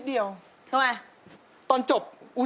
เสียบรรยาภาพ